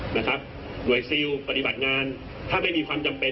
หน่วยซิลปฏิบัติงานถ้าไม่มีความจำเป็น